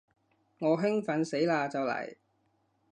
我興奮死嘞就嚟